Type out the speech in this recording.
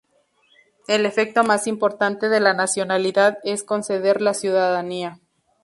El efecto más importante de la nacionalidad es conceder la ciudadanía.